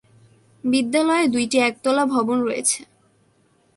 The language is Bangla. বিদ্যালয়ে দুইটি একতলা ভবন রয়েছে।